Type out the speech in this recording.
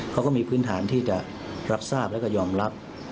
เขาก็มีพื้นฐานที่จะรับทราบแล้วก็ยอมรับ